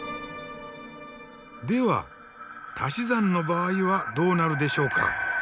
ではたし算の場合はどうなるでしょうか。